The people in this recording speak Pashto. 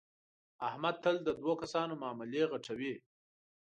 احمد تل د دو کسانو معاملې غټوي.